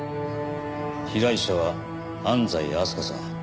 被害者は安西明日香さん。